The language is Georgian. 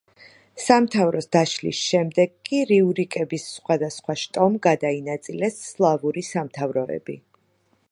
სამთავროს დაშლის შემდეგ კი რიურიკების სხვადასხვა შტომ გადაინაწილეს სლავური სამთავროები.